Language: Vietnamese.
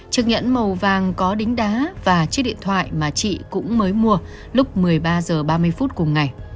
chiếc nhẫn màu vàng có đính đá và chiếc điện thoại mà chị cũng mới mua lúc một mươi ba h ba mươi phút cùng ngày